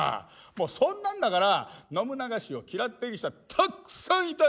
そんなんだから信長氏を嫌っている人はたくさんいたんです！